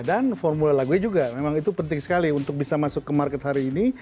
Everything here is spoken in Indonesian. dan formula lagunya juga memang itu penting sekali untuk bisa masuk ke market hari ini